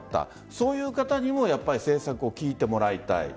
そういう方にも政策を聞いてもらいたい。